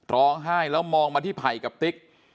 ร้องไห้แล้วมองมาที่ไผ่กับติ๊ก